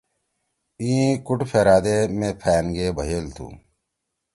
ایِں کُوٹ پھرأدے مے پھأن گے بھئیل تُھو